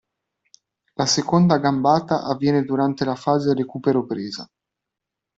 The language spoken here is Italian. La seconda gambata avviene durante la fase recupero-presa.